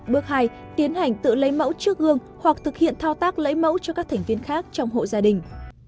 bước hai tiến hành tự lấy mẫu trước gương hoặc thực hiện thao tác lấy mẫu cho các thành viên khác trong hộ gia đình